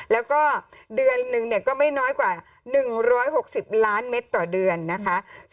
แล้วก็เดือนหนึ่งก็ไม่น้อยกว่า๑๖๐ล้านเมตรต่อเดือนนะคะ